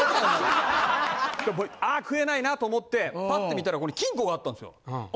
ああ食えないなと思ってパッ！って見たらここに金庫があったんですよ。